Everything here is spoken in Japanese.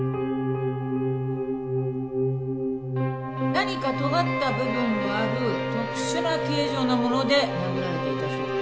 何かとがった部分がある特殊な形状のもので殴られていたそうよ。